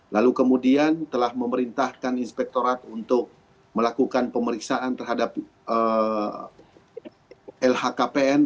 lalu kemudian telah memerintahkan inspektorat untuk melakukan pemeriksaan terhadap lhkpn